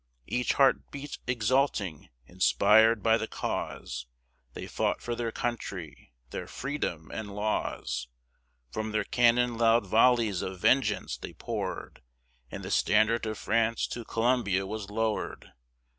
Each heart beat exulting, inspir'd by the cause; They fought for their country, their freedom and laws; From their cannon loud volleys of vengeance they pour'd, And the standard of France to Columbia was lower'd.